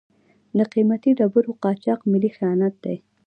د قیمتي ډبرو قاچاق ملي خیانت دی.